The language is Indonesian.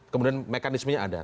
kemudian mekanismenya ada